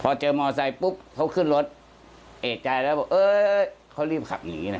พอเจอมอไซค์ปุ๊บเขาขึ้นรถเอกใจแล้วบอกเออเขารีบขับหนีนะ